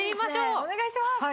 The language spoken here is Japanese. お願いします！